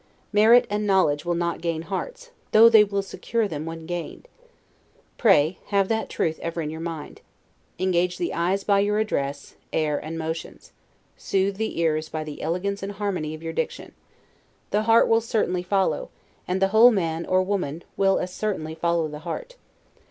Merit and knowledge will not gain hearts, though they will secure them when gained. Pray, have that truth ever in your mind. Engage the eyes by your address, air, and motions; soothe the ears by the elegance and harmony of your diction; the heart will certainly follow; and the whole man, or woman, will as certainly follow the heart.